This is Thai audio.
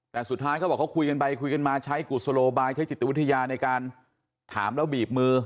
แต่สุดท้ายเขาบอกเขาคุยกันไปคุยกันมาใช้กุศโลบายใช้จิตวิทยาในการถามแล้วบีบมือ